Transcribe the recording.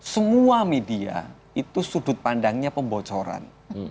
semua media itu sudut pandangnya pembocoran